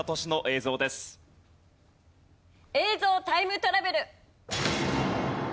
映像タイムトラベル！